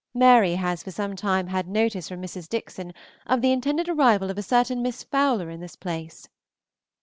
Mary has for some time had notice from Mrs. Dickson of the intended arrival of a certain Miss Fowler in this place.